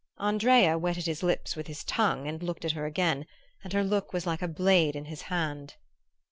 "Andrea wetted his lips with his tongue and looked at her again; and her look was like a blade in his hand.